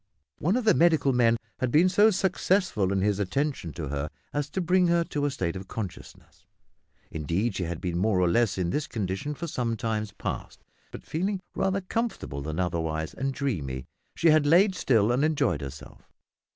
One of the medical men had been so successful in his attention to her as to bring her to a state of consciousness. Indeed she had been more or less in this condition for some time past, but feeling rather comfortable than otherwise, and dreamy, she had lain still and enjoyed herself.